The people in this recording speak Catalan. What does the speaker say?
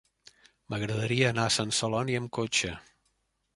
M'agradaria anar a Sant Celoni amb cotxe.